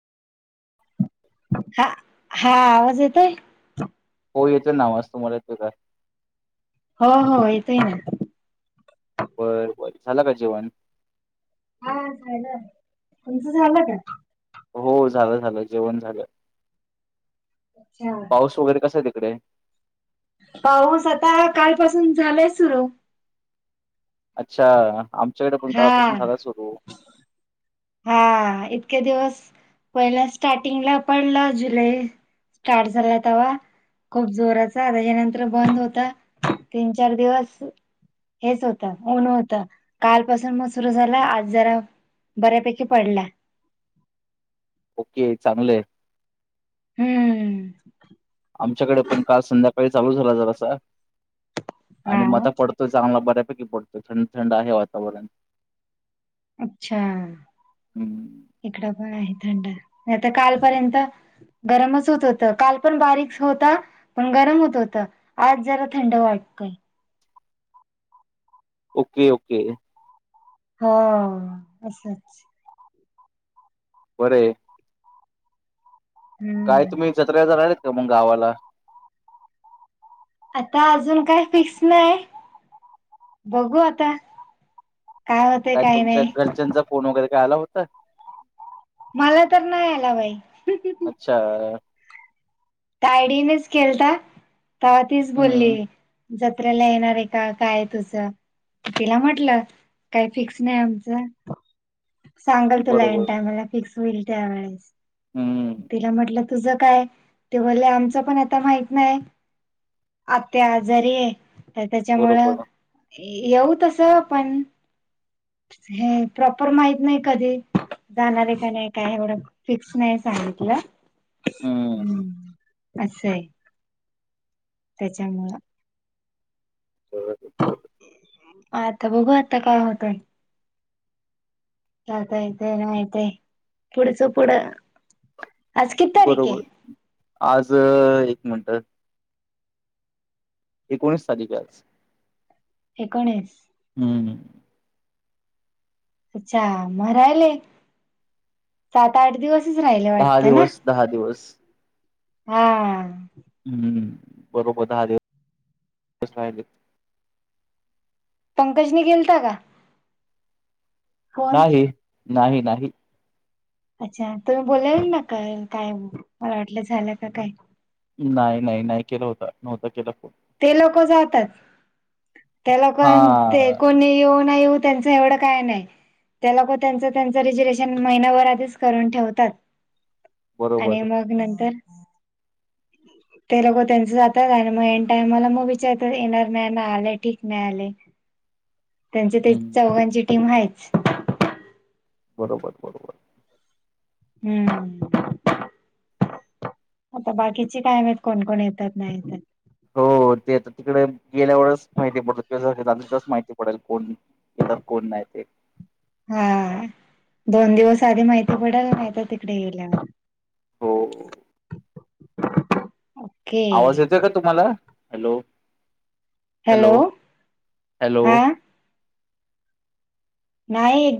हा, हा आवाज येतोय? हो येतोय ना आवाज, तुम्हाला येतोय का? हो हो येतोय ना. बर बर, झाला का जेवण? हा झालं, तुमचं झालं का? हो झालं झालं जेवण झालं. अच्छा पाऊस वगैरे कसा आहे तिकडे? पाऊस आता, कालपासून झालंय सुरू. अच्छा, आमच्याकडे पण हा कालपासून झाला सुरू. हा, इतके दिवस पहिल्या स्टार्टिंगला पडलं जुलै स्टार्ट झाला तवा. खूप जोराचा. त्याच्यानंतर बंद होता तीन चार दिवस हेच होतं ऊन होत. कालपासून मग सुरू झालं, आज जरा बऱ्यापैकी पडला. ओके चांगलंय. हम्म. आमच्याकडे पण काल संध्याकाळी चालू झाला जरासा. हा आणि म आता पडत तो चांगला बऱ्यापैकी पडतो, थंड थंड आहे वातावरण. अच्छा, हम्म. इकड पण आहे थंड. आता कालपर्यंत गरमच होत होत काल पण बारीक होता. पण गरम होत होत आज जरा थंड वाटतंय, ओके ओके हा असंच वरे काय हम्म तुम्ही जत्रे जार राहिलेत का मग गावाला आता अजून काय फिक्स नाही बघू आता, काय होते काही तुमच्या नाही घरच्यांचा फोन वगैरे कायला होता. मला तर नाही आला बाई, अच्छा तायडीनेच खेलता त तीच बोलली, हम्म. जत्रेला येणार आहे का काय तुझं, तिला म्हटलं काही फिक्स नाही आमचं, सांगल तुला एन बरोबर. टायमला फिक्स होईल त्यावेळेस हम्म. तिला म्हटलं, तुझं काय, ते बले आमच पण आता माहित नाही आत्या आजारी आहे. तर त्याच्यामुळं बरोबर. येऊ तसं आपण, हे प्रॉपर माहित नाही कधी, जाणारे का नाही काय एवढं फिक्स नाही सांगितलं. हम्म अ, त्याच्यामुळं, बर बरं आता बघू आता काय होतंय. आता ययेत ना येतय पुढचं पुढं, आज किती तारीख बरोबर आहे आज एक मिनट, एकोणीस तारखेच, एकोणीस, हा अच्छा म रायले सात आठ दिवस, दहा दिवस दहा दिवस, हा हम्म बरोबर दहा दिवसस राहिले. पंकजनी गेलता का फोन नाही नाही नाही अच्छा तुम्ही बोलाल ना का काय मला वाटलं झालं का काय नाही नाही नाही केलं होता नव्हता केला फोन ते लोक जातात त्या लोक हा ते कोणी येऊन, नाही येऊ त्यांच एवढं काय नाही. त्याला त्यांचं त्यांच रिजर्वेशन महिनाभरातच करून ठेवतात. बरोबर आणि मग नंतर ते लको त्यांच जातात आणि मग, टाय मला मग विचारत येणार नाही ना आले ठीक नाही आले, त्यांची ते हम्म चौघांची टीम आहेच. बरोबर बरोबर, हम्म. आता बाकीची कायम कोणकण येतात नाही येतात. हो ते तर तिकडे गेल्या वेळेच माहिती पडल दिवस माहिती पडेल कोण, येतात कोण नाही ते, हा दोन दिवस आधी माहिती पडेल नाहीहित तिकडे गेल्यावर, हो, ओके आवाज येतोय का तुम्हाला हॅलो हॅलो हॅलो हा नाही